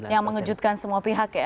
yang mengejutkan semua pihak ya